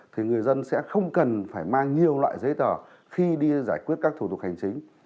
thì người dân sẽ không cần phải mang nhiều loại giấy tờ khi đi giải quyết các thủ tục hành chính